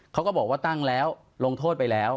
เขาก็บอกว่าตั้งแล้วลงโทษไปแล้ว